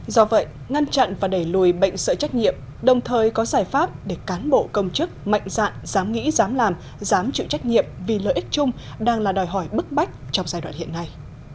do vậy ngăn chặn và đẩy lùi bệnh sợi trách nhiệm đồng thời có giải pháp để cán bộ công chức mạnh dạn dám nghĩ dám làm dám chịu trách nhiệm vì lợi ích chung đang là đòi hỏi bức bách trong giai đoạn hiện nay